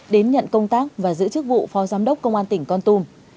đến nhận công tác và giữ chức vụ phó giám đốc công an tỉnh con tum